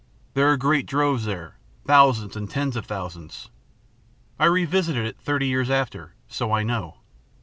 There are great droves there, thousands and tens of thousands. I revisited it thirty years after, so I know.